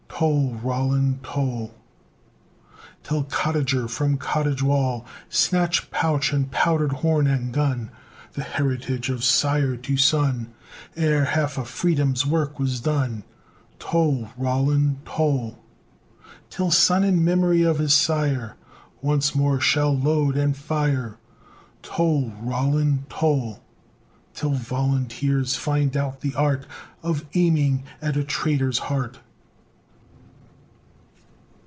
Toll! Roland, toll! Till cottager from cottage wall Snatch pouch and powder horn and gun The heritage of sire to son, Ere half of Freedom's work was done! Toll! Roland, toll! Till son, in memory of his sire, Once more shall load and fire! Toll! Roland, toll! Till volunteers find out the art Of aiming at a traitor's heart!